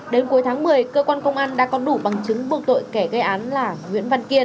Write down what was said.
đến cuối tháng một mươi cơ quan công an đã có đủ bằng chứng buộc tội kẻ gây án là nguyễn văn kiên